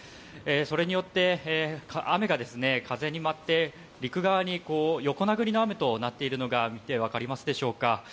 それによって、雨が風に舞って、陸側に横殴りの雨となっているのが見てわかりますでしょうか？